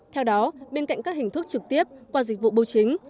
theo đó bên cạnh các hình thức trực tiếp qua dịch vụ bưu chính